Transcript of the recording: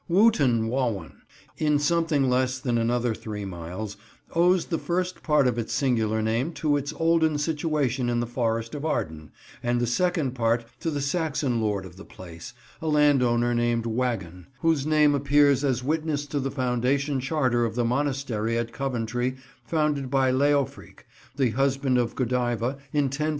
Wootton Wawen, in something less than another three miles, owes the first part of its singular name to its olden situation in the Forest of Arden, and the second part to the Saxon lord of the place, a landowner named Wagen, whose name appears as witness to the foundation charter of the monastery at Coventry founded by Leofric, the husband of Godiva, in 1043.